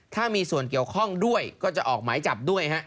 ถ้ามีส่วนเกี่ยวข้องด้วยก็จะออกหมายจับด้วยฮะ